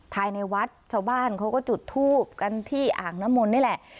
ภายในวัดชาวบ้านเขาก็จุดทูบกันที่อ่างน้ำมนต์นี่แหละ